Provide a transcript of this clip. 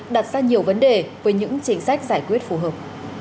đặt ra nhiều vấn đề với những chính sách giải quyết phù hợp